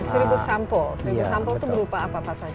seribu sampel seribu sampel itu berupa apa apa saja